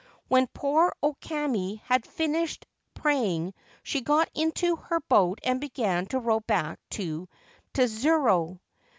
When poor O Kame had finished praying she got into her boat and began to row back to Tsuzurao.